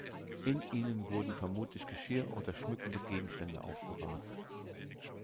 In ihnen wurden vermutlich Geschirr oder schmückende Gegenstände aufbewahrt.